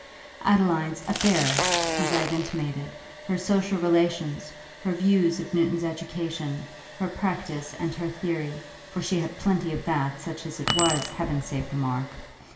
Adeline's "affairs," as I have intimated, her social relations, her views of Newton's education, her practice and her theory (for she had plenty of that, such as it was, heaven save the mark!)